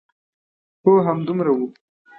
هو، همدومره و.